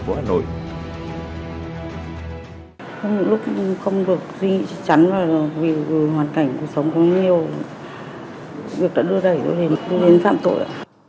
hôm lúc không được duy trì chắn là vì hoàn cảnh cuộc sống có nhiều việc đã đưa đẩy tôi đến phạm tội